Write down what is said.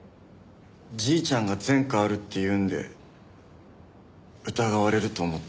じいちゃんが前科あるって言うんで疑われると思って。